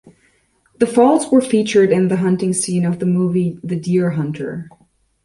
The falls were featured in the hunting scene of the movie "The Deer Hunter".